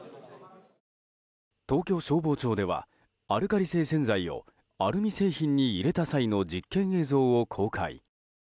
東京消防庁ではアルカリ性洗剤をアルミ製品に入れた際の実験映像を公開。